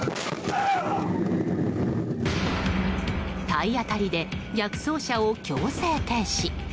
体当たりで逆走車を強制停止。